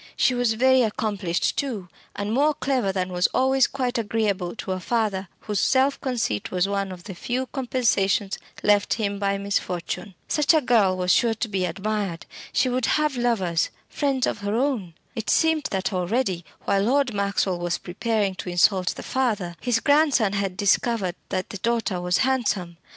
She was very accomplished, too, and more clever than was always quite agreeable to a father whose self conceit was one of the few compensations left him by misfortune. Such a girl was sure to be admired. She would have lovers friends of her own. It seemed that already, while Lord Maxwell was preparing to insult the father, his grandson had discovered that the daughter was handsome.